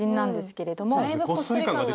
だいぶこっそり感が。